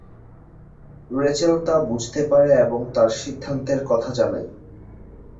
Rachel তা বুঝতে পারে এবং তার সিদ্ধান্তের কথা জানায়।